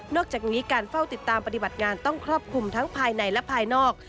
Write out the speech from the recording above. อกจากนี้การเฝ้าติดตามปฏิบัติงานต้องครอบคลุมทั้งภายในและภายนอก